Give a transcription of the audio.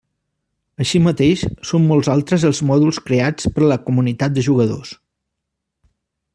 Així mateix, són molts altres els mòduls creats per la comunitat de jugadors.